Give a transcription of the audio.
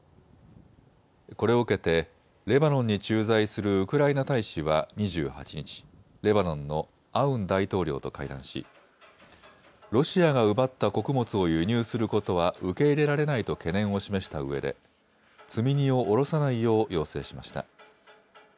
これを受けてレバノンに駐在するウクライナ大使は２８日、レバノンのアウン大統領と会談しロシアが奪った穀物を輸入することは受け入れられないと懸念を示したうえで積み荷を降ろさないよう要請しました。